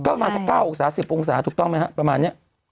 ประมาณ๑๙๓๐องศาถูกต้องไหมครับประมาณนี้